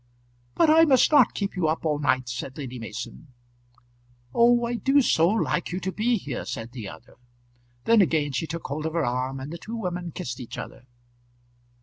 "But I must not keep you up all night," said Lady Mason. "Oh, I do so like you to be here," said the other. Then again she took hold of her arm, and the two women kissed each other.